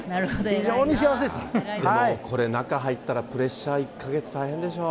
非常に幸でもこれ、中入ったらプレッシャー、１か月大変でしょう。